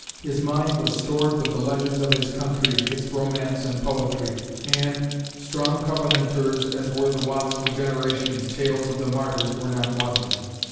His mind was stored with the legends of his country, its romance and poetry, and, strong Covenanters as were the Watts for generations, tales of the Martyrs were not wanting.